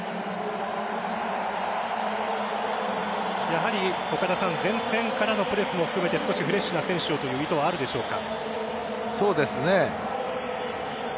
やはり前線からのプレスも含めて少しフレッシュな選手をという意図はあるでしょうか？